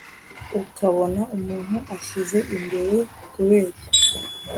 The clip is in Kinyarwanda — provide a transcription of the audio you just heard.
ukabona umuntu ashyize imbere kubeshya